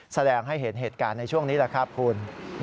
แสดงให้เห็นเหตุการณ์ในช่วงนี้แหละครับคุณ